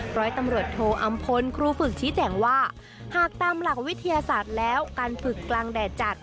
ร้อยตำรวจโทอำพลครูฝึกชี้แจงว่าหากตามหลักวิทยาศาสตร์แล้วการฝึกกลางแดดจัด